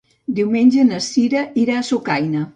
Diumenge na Sira irà a Sucaina.